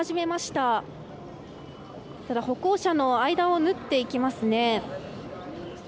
ただ、歩行者の間を縫っていきますね。